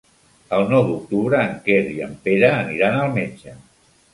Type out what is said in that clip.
El nou d'octubre en Quer i en Pere aniran al metge.